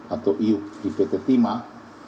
atau iup di pt timah